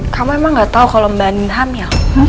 kamu emang gak tau kalau mbak anin hamil